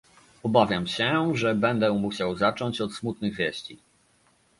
Obawiam się, że będę musiał zacząć od smutnych wieści